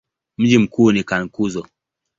Mji mkuu ni Cankuzo.